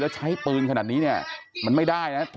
แล้วใช้ปืนขนาดนี้เนี่ยมันไม่ได้นะ